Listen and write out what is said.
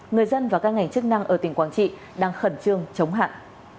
người dân và các ngành chức năng ở tỉnh quảng trị đang khẩn trương chống hạn